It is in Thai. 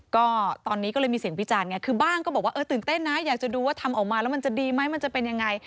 ก็ตอนนี้ก็เลยมีเสียงวิจารณ์ไงคือบ้างก็บอกว่าเออตื่นเต้นนะอยากจะดูว่าทำออกมาแล้วมันจะดีไหมมันจะเป็นยังไง